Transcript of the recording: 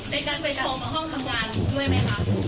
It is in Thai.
ในการไปชมห้องทำงานด้วยไหมคะ